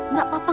gak apa apa nek